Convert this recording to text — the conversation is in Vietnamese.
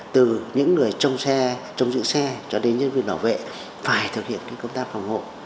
từ những người trong dự xe cho đến nhân viên đảo vệ phải thực hiện công tác phòng hộ